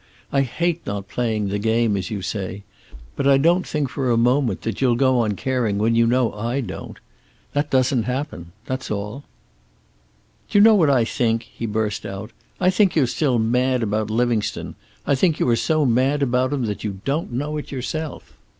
I hate not playing the game, as you say. But I don't think for a moment that you'll go on caring when you know I don't. That doesn't happen. That's all." "Do you know what I think?" he burst out. "I think you're still mad about Livingstone. I think you are so mad about him that you don't know it yourself."